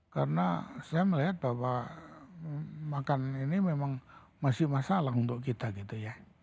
karena saya melihat bahwa makan ini memang masih masalah untuk kita gitu ya